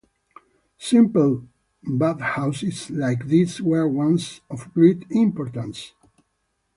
Simple bathhouses like these were once of great importance.